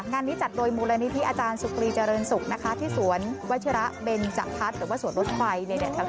งานนี้จัดโดยมูลณีที่อาจารย์สุกรีจริงสุกเป้นที่สวนเวทีระเบรนจะภัทรหรือว่าสวนรสไฟแถวจะรู้จักนี่นะคะ